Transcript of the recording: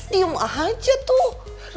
diam aja tuh